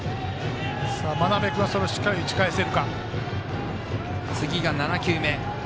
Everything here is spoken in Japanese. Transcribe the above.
真鍋君は、しっかり打ち返せるか。